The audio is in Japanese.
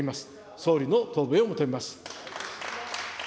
総理の答弁を求めます。